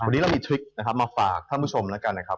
วันนี้เรามีทริคมาฝากท่านผู้ชมนะครับ